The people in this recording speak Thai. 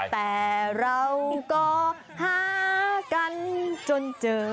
แต่เราก็หากันจนเจอ